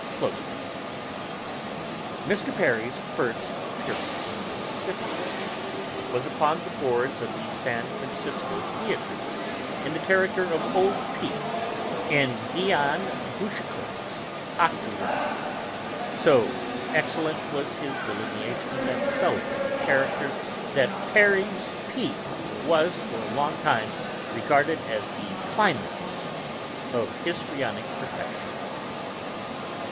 Mr. Perry's first appearance on the Pacific Coast was upon the boards of the San Francisco theaters in the character of "Old Pete" in Dion Boucicault's "Octoroon." So excellent was his delineation of that celebrated character that "Perry's Pete" was for a long time regarded as the climax of histrionic perfection.